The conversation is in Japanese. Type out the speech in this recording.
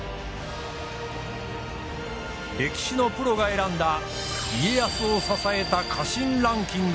歴史のプロが選んだ家康を支えた家臣ランキング